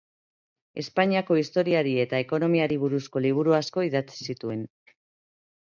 Espainiako historiari eta ekonomiari buruzko liburu asko idatzi zituen.